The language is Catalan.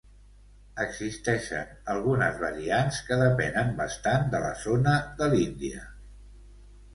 Existeixen algunes variants que depenen bastant de la zona de l'Índia.